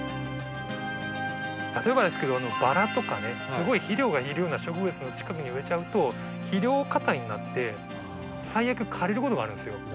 例えばですけどバラとかねすごい肥料がいるような植物の近くに植えちゃうと肥料過多になって最悪枯れることがあるんですよ。